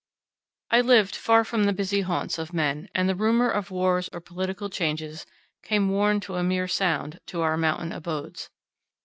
I lived far from the busy haunts of men, and the rumour of wars or political changes came worn to a mere sound, to our mountain abodes.